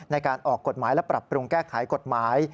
ในการออกกฎหมายและปรับปรุงแก้ไขกฎหมาย